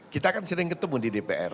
kita kan sering ketemu di dpr